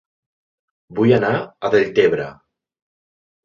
Vull anar a Deltebre